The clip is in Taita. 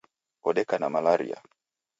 Odeka na malaria